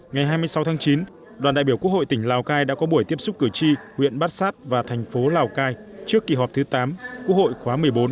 ngày hai mươi sáu tháng chín đoàn đại biểu quốc hội tỉnh lào cai đã có buổi tiếp xúc cử tri huyện bát sát và thành phố lào cai trước kỳ họp thứ tám quốc hội khóa một mươi bốn